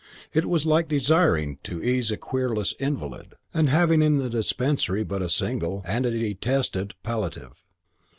It was like desiring to ease a querulous invalid and having in the dispensary but a single and a detested palliative.